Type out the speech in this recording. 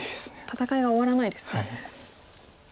戦いが終わらないですね。